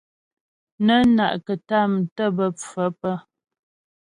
Nə́ na'kətàm tə́ bə́ pfə̌ pə́.